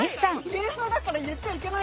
芸風だから言っちゃいけないかと。